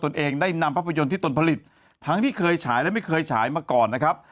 เองได้นำภาพยนตร์ที่ตนผลิตทั้งที่เคยฉายและไม่เคยฉายมาก่อนนะครับ